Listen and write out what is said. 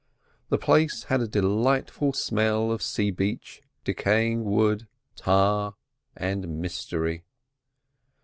The place had a delightful smell of sea beach, decaying wood, tar, and mystery.